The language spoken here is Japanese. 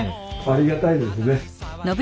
ありがたいですね。